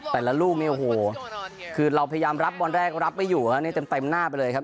แต่ละลูกเนี่ยโอ้โหคือเราพยายามรับบอลแรกรับไม่อยู่ครับนี่เต็มหน้าไปเลยครับ